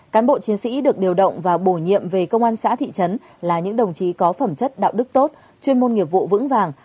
cán bộ chiến sĩ được điều động và bổ nhiệm về công an xã thị trấn là những đồng chí có phẩm chất đạo đức tốt chuyên môn nghiệp vụ vững vàng